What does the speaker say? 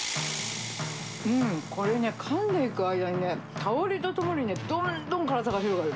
これね、かんでいく間にね、香りとともにね、どんどん辛さが広がる。